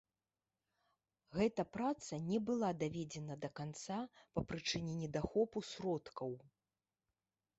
Гэта праца не была даведзена да канца па прычыне недахопу сродкаў.